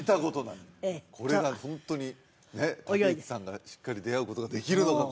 ええこれがホントに武市さんがしっかり出会うことができるのか？